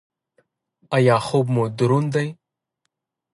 ایا خوب مو دروند دی؟